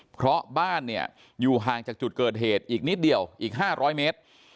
เพราะบ้านเนี่ยอยู่ห่างจากจุดเกิดเหตุอีกนิดเดียวอีก๕๐๐เมตร